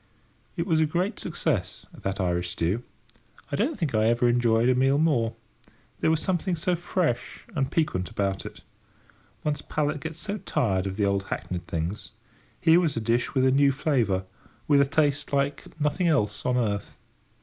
It was a great success, that Irish stew. I don't think I ever enjoyed a meal more. There was something so fresh and piquant about it. One's palate gets so tired of the old hackneyed things: here was a dish with a new flavour, with a taste like nothing else on earth.